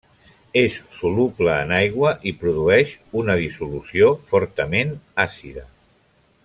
És soluble en aigua i produeix una dissolució fortament àcida.